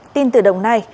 tin từ đồng nai